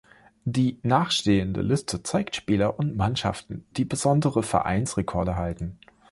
Die nachstehende Liste zeigt Spieler und Mannschaften, die besondere Vereinsrekorde halten.